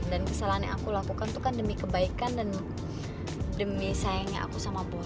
dan kesalahan yang aku lakukan itu kan demi kebaikan dan demi sayangnya aku sama boy